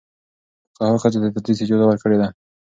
فقهاء ښځو ته د تدریس اجازه ورکړې ده.